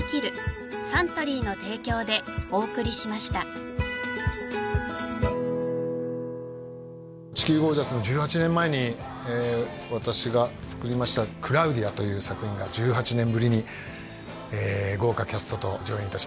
今日はだからすごい地球ゴージャスの１８年前に私が作りました「クラウディア」という作品が１８年ぶりに豪華キャストと上演いたします